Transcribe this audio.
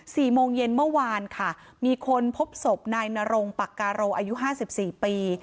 สี่โมงเย็นเมื่อวานค่ะมีคนพบศพนายนรงปักกาโรอายุห้าสิบสี่ปี